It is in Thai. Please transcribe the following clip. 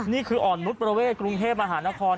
นี่คืออ่อนนุษย์ประเวทกรุงเทพมหานคร